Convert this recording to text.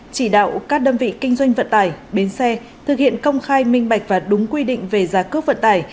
chỉ đạo các đơn vị kinh doanh vận tải bến xe thực hiện công khai minh bạch và đúng quy định về giá cước vận tải